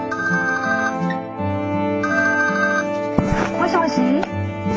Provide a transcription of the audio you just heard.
☎「もしもし？